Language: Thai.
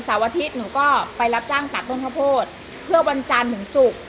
อาทิตย์หนูก็ไปรับจ้างตัดต้นข้าวโพดเพื่อวันจันทร์ถึงศุกร์